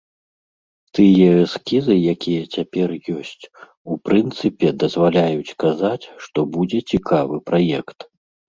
Тыя эскізы, якія цяпер ёсць, у прынцыпе, дазваляюць казаць, што будзе цікавы праект.